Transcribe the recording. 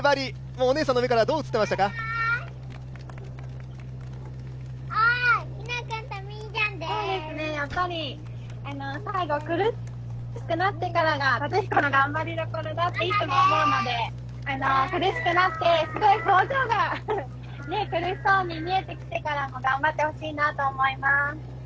最後苦しくなってからが達彦の頑張りどころだと思うので、苦しくなって、表情が苦しそうに見えてからも頑張ってほしいなと思います。